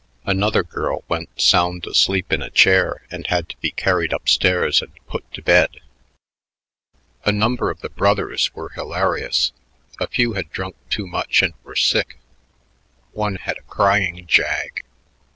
Another girl went sound asleep in a chair and had to be carried up stairs and put to bed. A number of the brothers were hilarious; a few had drunk too much and were sick; one had a "crying jag."